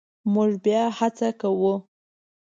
مونږ بیا هڅه کوو